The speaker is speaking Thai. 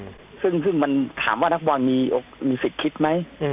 อืมซึ่งซึ่งมันถามว่านักฟุตบอลมีมีสิทธิ์คิดไหมอืม